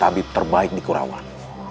tabib terbaik di kurawan